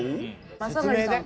雅紀さん